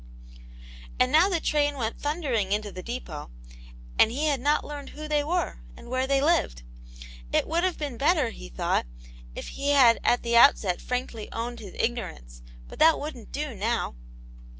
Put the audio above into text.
And now the train went thundering into the cjep6t, and he had not learned who they were, and where they lived. It would have been better, he thought, if he had at the outset frankly owned his Ignorance, but that wouldn't do now.